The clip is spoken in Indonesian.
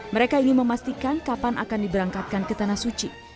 mereka ingin memastikan kapan akan diberangkatkan ke tanah suci